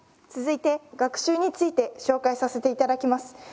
続いて学習について紹介させていただきます。